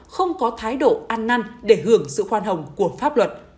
không có thái độ ăn năn để hưởng sự khoan hồng của pháp luật